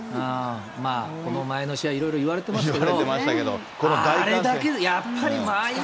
この前の試合、いろいろ言われていますけど。